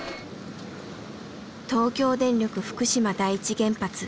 東京電力福島第一原発。